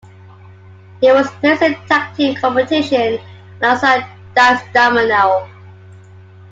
He was placed in tag team competition, alongside Dice Domino.